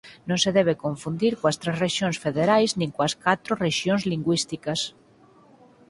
Non se debe confundir coas tres rexións federais nin coas catro rexións lingüísticas.